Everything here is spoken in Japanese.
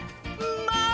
まあ！